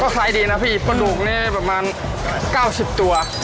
ขายดีนะพี่ปลาหนูนี่ประมาณ๙๐ตัว